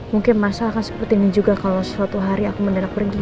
mungkin masalah akan seperti ini juga kalau suatu hari aku mendadak pergi